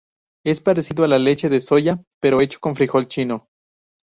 Es parecido a la leche de soja, pero hecho con frijol chino.